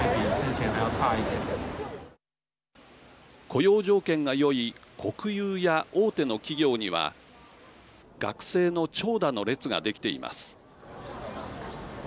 雇用条件がよい国有や大手の企業には学生の長蛇の列ができています。